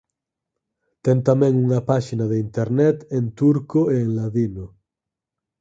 Ten tamén unha páxina de Internet en turco e en ladino.